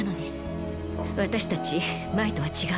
私たち前とは違うの。